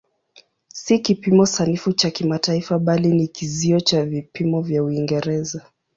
Si kipimo sanifu cha kimataifa bali ni kizio cha vipimo vya Uingereza.